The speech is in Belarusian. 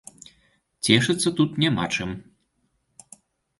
Цешыцца тут няма чым.